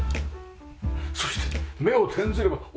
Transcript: そして目を転ずれば表！